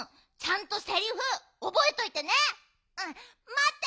まって。